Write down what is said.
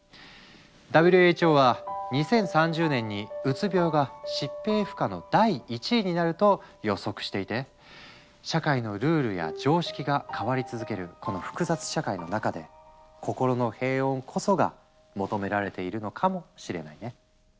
ＷＨＯは「２０３０年にうつ病が疾病負荷の第１位になる」と予測していて社会のルールや常識が変わり続けるこの複雑社会の中で「心の平穏」こそが求められているのかもしれないね。